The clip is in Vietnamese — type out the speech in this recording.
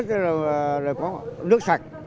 có nước sạch